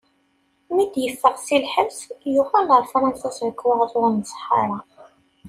Mi d-yeffeɣ si lḥebs, yuɣal ɣer Fṛansa s lekwaɣeḍ ur nṣeḥḥa ara.